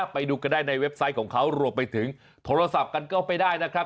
ไปดูกันได้ในเว็บไซต์ของเขารวมไปถึงโทรศัพท์กันก็ไปได้นะครับ